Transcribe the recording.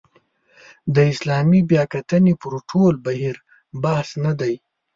د اسلامي بیاکتنې پر ټول بهیر بحث نه دی.